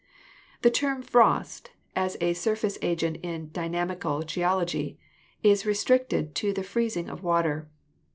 The term frost, as a surface agent in dynamical geology, is restricted to the freezing of water.